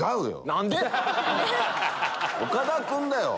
何で⁉岡田君だよ。